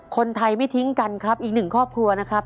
คนไทยไม่ทิ้งกันครับอีกหนึ่งครอบครัวนะครับ